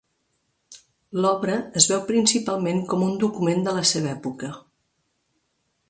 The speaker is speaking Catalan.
L'obra es veu principalment com un document de la seva època.